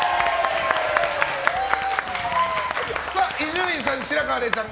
伊集院さん、白河れいちゃん